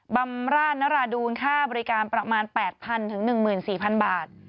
บำราชนราดูลค่าบริการประมาณ๘๐๐๑๔๐๐บาท